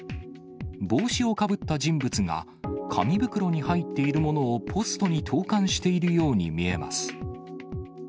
帽子をかぶった人物が、紙袋に入っているものをポストに投かんしているように見えます。